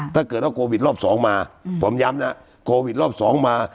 ถ้าเกิดว่าโควิดรอบสองมาผมย้ำนะโควิดรอบสองมา